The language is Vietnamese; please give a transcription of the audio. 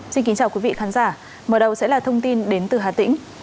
xin kính chào quý vị khán giả mở đầu sẽ là thông tin đến từ hà tĩnh